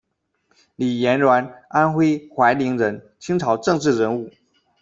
李廷銮，安徽怀宁人，清朝政治人物。